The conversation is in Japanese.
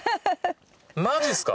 マジですか？